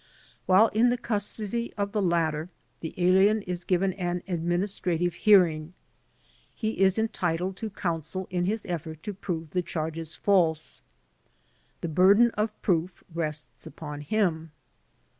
While in the custody of the latter, the alien is given an administrative hearing. He is entitled to counsel in his effort to prove the charges false. The burden of proof rests upon him.